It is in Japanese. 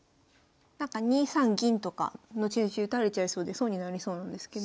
なんか２三銀とか後々打たれちゃいそうで損になりそうなんですけど。